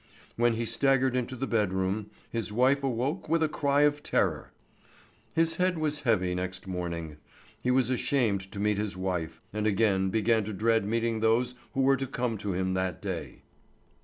When he staggered into the bedroom, his wife awoke with a cry of terror. His head was heavy next morning; he was ashamed to meet his wife, and again began to dread meeting those who were to come to him that day.